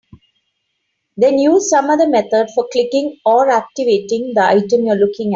Then use some other method for clicking or "activating" the item you're looking at.